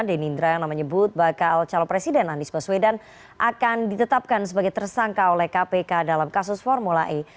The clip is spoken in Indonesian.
denny indrayana menyebut bakal caleg presiden anies baswedan akan ditetapkan sebagai tersangka oleh kpk dalam kasus formula e